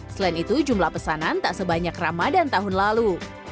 selain itu jumlah pesanan tak sebanyak ramadan tahun lalu